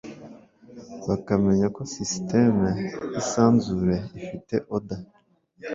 bakamenya ko systeme y’isanzure ifite order